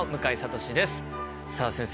さあ先生